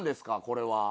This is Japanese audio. これは。